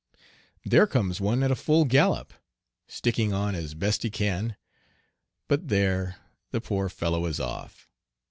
There comes one at a full gallop, sticking on as best he can; but there, the poor fellow is off.